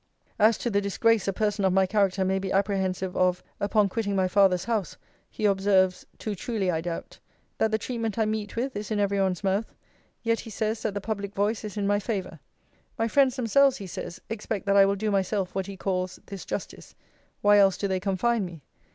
As to the disgrace a person of my character may be apprehensive of upon quitting my father's house, he observes (too truly I doubt) 'That the treatment I meet with is in every one's mouth: yet, he says, that the public voice is in my favour. My friends themselves, he says, expect that I will do myself what he calls, this justice: why else do they confine me?